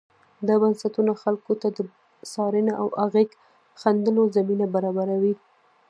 دا بنسټونه خلکو ته د څارنې او اغېز ښندلو زمینه برابروي.